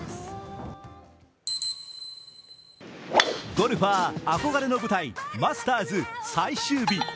ゴルファー憧れの舞台マスターズ最終日。